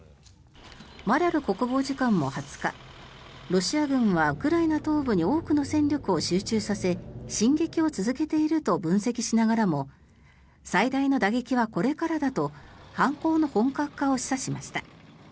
マリャル国防次官も２０日ロシア軍はウクライナ東部に多くの戦力を集中させ進撃を続けていると分析しながらも最大の打撃はこれからだと反攻の本格化を示唆しました。